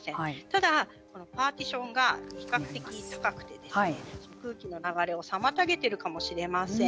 ただ、パーティションが比較的高くて空気の流れを妨げているかもしれません。